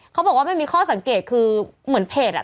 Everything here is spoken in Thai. เขาบอกว่ามันมีข้อสังเกตคือเหมือนเพจอ่ะ